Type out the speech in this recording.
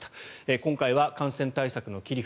今回は感染対策の切り札